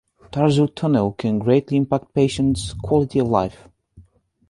Tarsal tunnel can greatly impact patients' quality of life.